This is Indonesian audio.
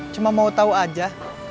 cuma mau tahu aja